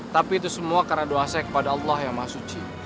tapi itu semua karena doa saya kepada allah yang mahasuci